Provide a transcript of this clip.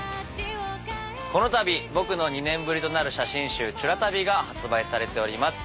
このたび２年ぶりとなる写真集『ちゅらたび』が発売されてます。